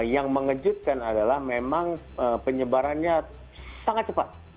yang mengejutkan adalah memang penyebarannya sangat cepat